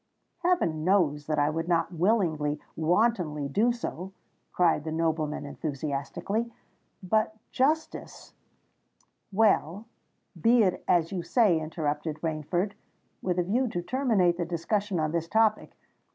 "Heaven knows that I would not willingly—wantonly do so!" cried the nobleman enthusiastically. "But, justice——" "Well—be it as you say," interrupted Rainford, with a view to terminate the discussion on this topic.